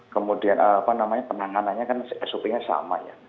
kemudian apa namanya penanganannya kan sop nya sama ya